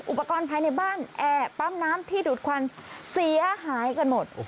อุปกรณ์ภายในบ้านแอร์ปั๊มน้ำที่ดูดควันเสียหายกันหมด